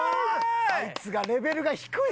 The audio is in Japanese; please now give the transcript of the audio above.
あいつがレベルが低い！